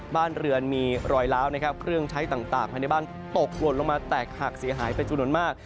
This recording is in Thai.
บ้านเรือนมีรอยล้าวนะครับเครื่องใช้ต่างภายในบ้านตกหล่นลงมาแตกหักเสียหายเป็นจำนวนมาก